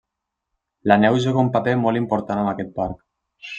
La neu juga un paper molt important en aquest parc.